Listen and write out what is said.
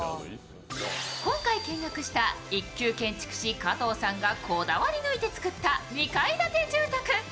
今回見学した一級建築士、加藤さんがこだわり抜いて作った２階建て住宅。